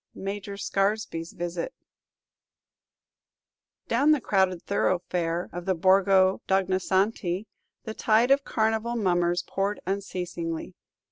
MAJOR SCARESBY'S VISIT Down the crowded thoroughfare of the Borgo d' Ognisanti the tide of Carnival mummers poured unceasingly.